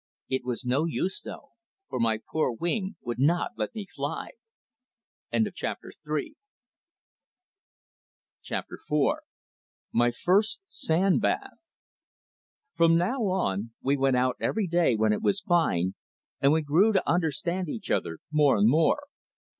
It was no use, though, for my poor wing would not let me fly. Chapter IV My First Sand Bath From now on we went out every day when it was fine, and we grew to understand each other more and more.